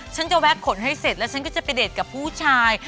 ฉันจะแวะขนให้เสร็จแล้วฉันก็จะไปเดทกับผู้ชาย